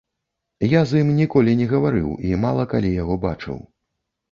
Я з ім ніколі не гаварыў і мала калі яго бачыў.